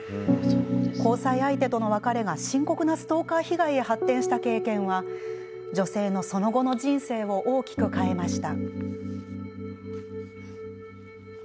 交際相手との別れが深刻なストーカー被害へ発展した経験は女性のその後の人生を大きく変えました。